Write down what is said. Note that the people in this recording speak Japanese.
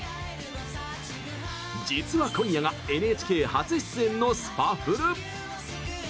実は今夜がＮＨＫ初出演のスパフル。